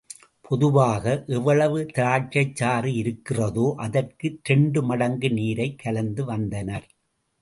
பொதுவாக எவ்வளவு திராட்சைச் சாறு இருக்கிறதோ, அதற்கு இரண்டு மடங்கு நீரைக் கலந்து வந்தனர்.